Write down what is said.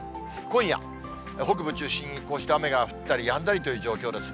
今夜、北部中心にこうして雨が降ったりやんだりという状況です。